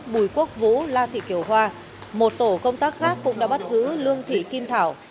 bùi quốc vũ la thị kiều hoa một tổ công tác khác cũng đã bắt giữ lương thị kim thảo